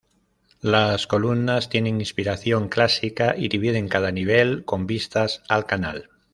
Las columnas tienen inspiración clásica y dividen cada nivel con vistas al canal.